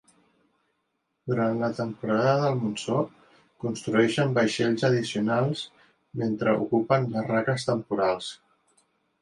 Durant la temporada del monsó, construeixen vaixells addicionals mentre ocupen barraques temporals.